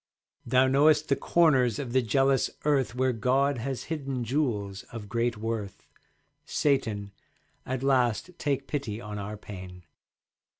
Thou knowest the corners of the jealous Earth Where God has hidden jewels of great worth. Satan, at last take pity on our pain.